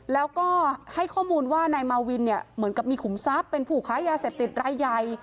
แล้วก็ให้ข้อมูลว่านายมาวินเนี่ยเหมือนกับมีขุมทรัพย์เป็นผู้ค้ายาเสพติดรายใหญ่